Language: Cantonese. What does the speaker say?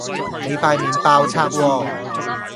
你塊面爆冊喎